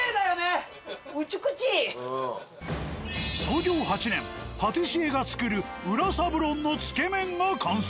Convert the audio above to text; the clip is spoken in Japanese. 創業８年パティシエが作る「裏サブロン」のつけ麺が完成。